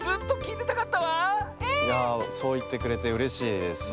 いやあそういってくれてうれしいです。